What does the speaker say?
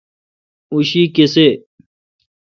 اں شی کسے°